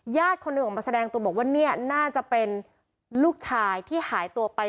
คนหนึ่งออกมาแสดงตัวบอกว่าเนี่ยน่าจะเป็นลูกชายที่หายตัวไป